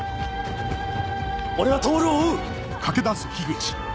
俺は透を追う！